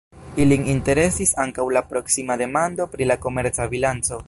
Ilin interesis ankaŭ la proksima demando pri la komerca bilanco.